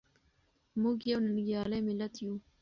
موږ یو ننګیالی ملت یو.